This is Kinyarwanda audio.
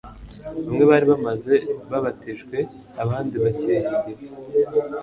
bamwe bari bamaze babatijwe, abandi bashyingiwe